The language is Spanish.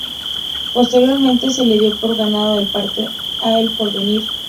Posteriormente se le dio por ganado el partido a El Porvenir.